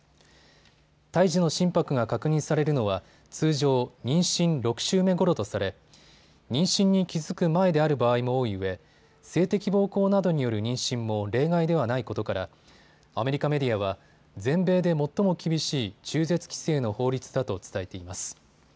胎児の心拍が確認されるのは通常、妊娠６週目ごろとされ妊娠に気付く前である場合も多いうえ性的暴行などによる妊娠も例外ではないことからアメリカメディアは全米で最も厳しい中絶規制の法律だと伝えています。